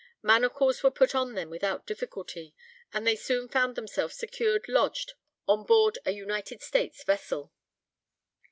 Manacles were put on them all without difficulty, and they soon found themselves securely lodged on board an United States vessel.